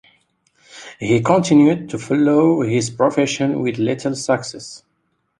He continued to follow his profession with little success.